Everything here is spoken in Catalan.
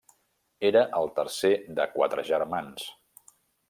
Era el tercer de quatre germans: